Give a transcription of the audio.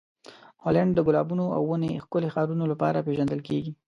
هالنډ د ګلابونو او ونې ښکلې ښارونو لپاره پېژندل کیږي.